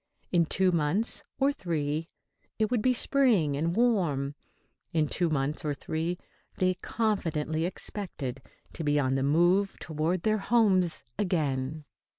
In two months, or three, it would be spring and warm. In two months, or three, they confidently expected to be on the move toward their homes again.